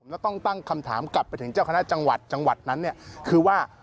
แล้วต้องตั้งคำถามกลับไปถึงเจ้าคณะจังหวัดจังหวัดนั้นเนี่ยคือว่า